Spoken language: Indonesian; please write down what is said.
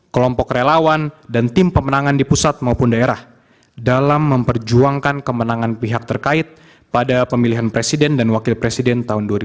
kelompok relawan dan tim pemenangan di pusat maupun daerah dalam memperjuangkan kemenangan pihak terkait pada pemilihan presiden dan wakil presiden tahun dua ribu sembilan belas